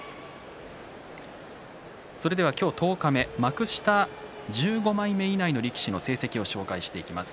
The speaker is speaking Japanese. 今日十日目、幕下１５枚目以内の力士の成績を紹介していきます。